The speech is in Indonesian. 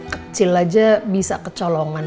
kecil aja bisa kecolongan